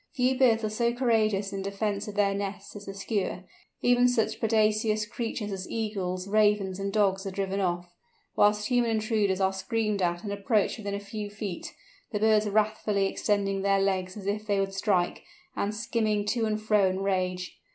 Few birds are so courageous in defence of their nests as the Skua. Even such predaceous creatures as Eagles, Ravens, and dogs are driven off; whilst human intruders are screamed at and approached within a few feet, the birds wrathfully extending their legs as if they would strike, and skimming to and fro in rage.